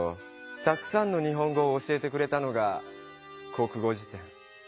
たくさんの日本語を教えてくれたのが国語辞典。